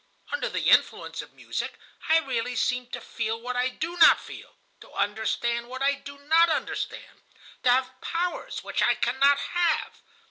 Under the influence of music I really seem to feel what I do not feel, to understand what I do not understand, to have powers which I cannot have.